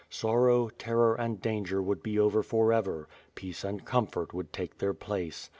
Sorrow, terror, and danger would be over forever — peace and comfort would take their place.